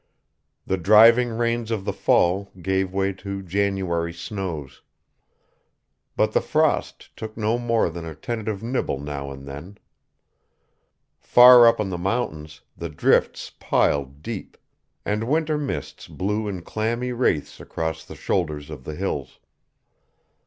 The driving rains of the fall gave way to January snows. But the frost took no more than a tentative nibble now and then. Far up on the mountains the drifts piled deep, and winter mists blew in clammy wraiths across the shoulders of the hills.